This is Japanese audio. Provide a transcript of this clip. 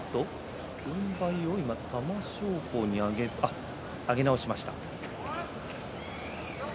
軍配を玉正鳳上げ直しました。